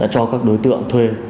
cho các đối tượng thuê